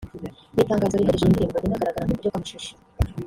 Mu itangazo riherekeje iyi Ndirimbo inagaragara mu buryo bw’amashusho